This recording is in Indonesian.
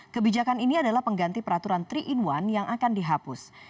kebijakan ini adalah pengganti peraturan tiga in satu yang akan dihapus